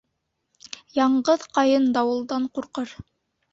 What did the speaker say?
Яңғыҙ ҡайын дауылдан ҡурҡыр